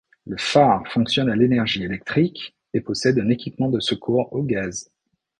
Le phare fonctionne à l'Énergie électrique et possède un équipement de secours au gaz.